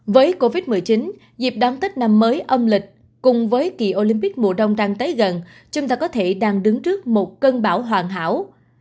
với covid một mươi chín dịp đón tết năm mới âm lịch cùng với kỳ olympic mùa đông đang tới gần chúng ta có thể đang đứng trước một cơn bão hoàn hảo